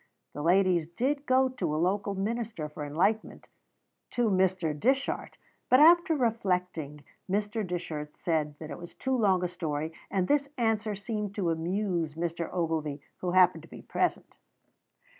The ladies did go to a local minister for enlightenment, to Mr. Dishart; but, after reflecting, Mr. Dishart said that it was too long a story, and this answer seemed to amuse Mr. Ogilvy, who happened to be present.